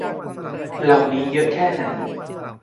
เหล่านี้เยอะแค่ไหน